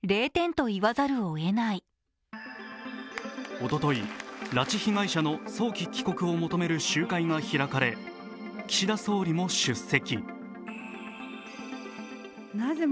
おととい、拉致被害者の早期帰国を求める集会が開かれ岸田総理も出席。